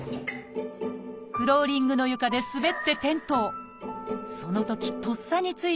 フローリングの床で滑って転倒。